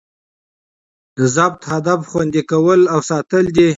د ضبط هدف؛ خوندي کول او ساتل دي.